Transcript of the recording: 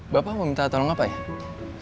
bapak mau minta tolong apa ya